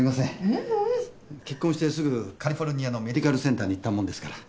ううん。結婚してすぐカリフォルニアのメディカルセンターに行ったもんですから。